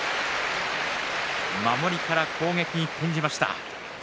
守りから攻撃に転じました。